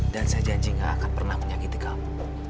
saya janji gak akan pernah menyakiti kamu